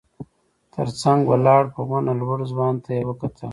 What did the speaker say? تر څنګ ولاړ په ونه لوړ ځوان ته يې وکتل.